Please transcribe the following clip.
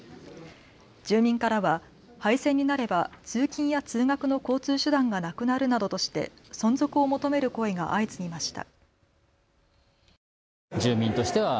住民からは廃線になれば通勤や通学の交通手段がなくなるなどとして存続を求める声が相次ぎました。